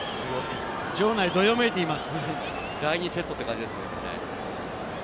場内、どよめいています。